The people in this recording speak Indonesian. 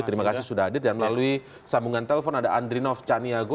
terima kasih sudah hadir dan melalui sambungan telpon ada andrinov caniago